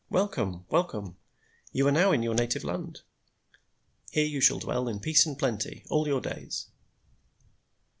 Welcome! welcome! You are now in your native land! Here you shall dwell in peace and plenty all your days."